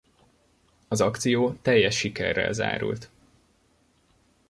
Az akció teljes sikerrel zárult.